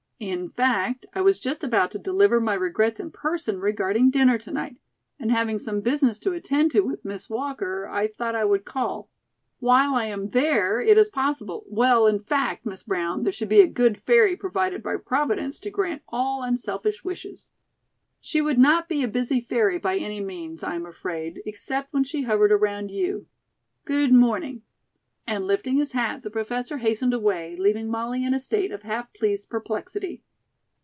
"In fact, I was just about to deliver my regrets in person regarding dinner to night, and having some business to attend to with Miss Walker, I thought I would call. While I am there, it is possible well, in fact, Miss Brown, there should be a good fairy provided by Providence to grant all unselfish wishes. She would not be a busy fairy by any means, I am afraid, except when she hovered around you. Good morning," and lifting his hat, the Professor hastened away, leaving Molly in a state of half pleased perplexity.